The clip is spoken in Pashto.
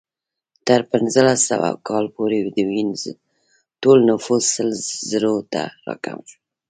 تر پنځلس سوه کال پورې د وینز ټول نفوس سل زرو ته راکم شو